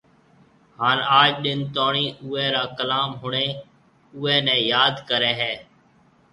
هان اج ڏن توڻي اوئي را ڪلام ۿڻي اوئي ني ياد ڪري هي